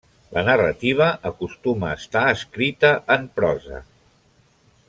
La narrativa acostuma a estar escrita en prosa.